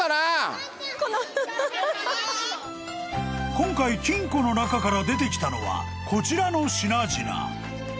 ［今回金庫の中から出てきたのはこちらの品々］